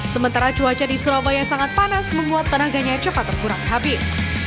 sementara cuaca di surabaya sangat panas membuat tenaganya cepat terkurang habis